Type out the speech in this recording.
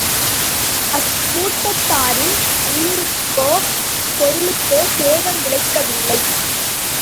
அக்கூட்டத்தாரின் உயிருக்கோ, பொருளுக்கோ சேதம் விளைவிக்கவில்லை.